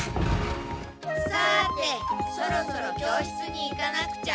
さてそろそろ教室に行かなくちゃ。